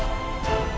ketika roy terbunuh